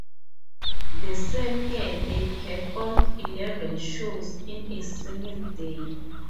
That same year, they performed eleven shows in a single day.